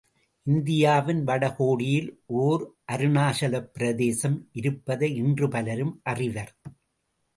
இந்தியாவின் வட கோடியில் ஓர் அருணாசலப் பிரதேசம் இருப்பதை இன்று பலரும் அறிவர்.